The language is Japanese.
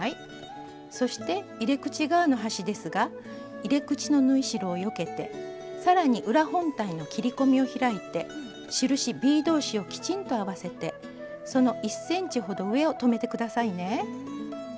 そして入れ口側の端ですが入れ口の縫い代をよけてさらに裏本体の切り込みを開いて印ｂ同士をきちんと合わせてその１ｃｍほど上を留めて下さいね。